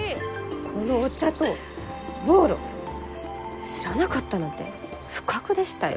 このお茶とボーロ知らなかったなんて不覚でしたよ。